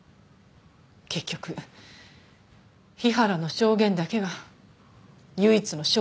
結局日原の証言だけが唯一の証言だったのよ。